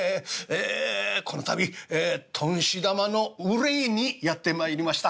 この度頓死玉の憂いにやって参りました。